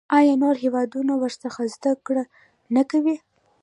آیا نور هیوادونه ورڅخه زده کړه نه کوي؟